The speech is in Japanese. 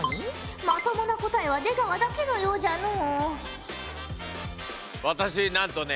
まともな答えは出川だけのようじゃのう。